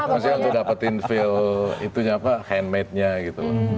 masih ada yang dapetin feel itu apa hand made nya gitu